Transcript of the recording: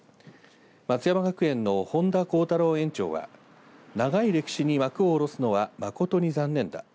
松山学園の本多浩太郎園長は長い歴史に幕を下ろすのは誠に残念だ。